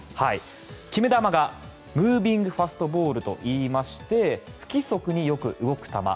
決め球がムービングファストボールといいまして不規則によく動く球。